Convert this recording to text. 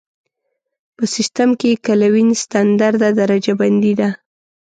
په سیسټم کې کلوین ستندرده درجه بندي ده.